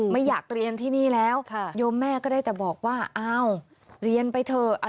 ไม่อยากเรียนที่นี่แล้วโยมแม่ก็ได้แต่บอกว่าอ้าวเรียนไปเถอะ